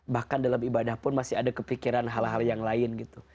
bahkan dalam ibadah pun masih ada kepikiran hal hal yang lain gitu